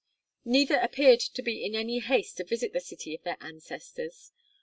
Neither appeared to be in any haste to visit the city of their ancestors.